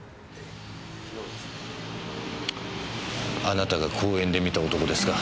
あなたが公園で見た男ですか？